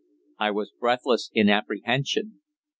I was breathless in apprehension.